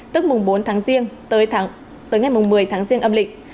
tức mùng bốn tháng riêng tới ngày một mươi tháng riêng âm lịch